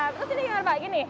terus ini gimana pak gini